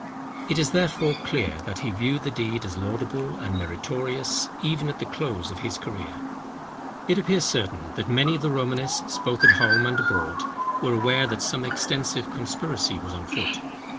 It is, therefore, clear, that he viewed the deed as laudable and meritorious, even at the close of his career. It appears certain that many of the Romanists, both at home and abroad, were aware that some extensive conspiracy was on foot.